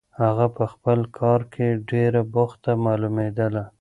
هغه په خپل کار کې ډېره بوخته معلومېدله.